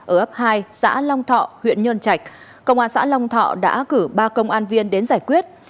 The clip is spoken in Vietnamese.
ở ấp hai xã long thọ huyện nhơn trạch công an xã long thọ đã cử ba công an viên đến giải quyết